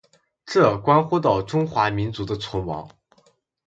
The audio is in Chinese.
这关乎到中华民族的存亡。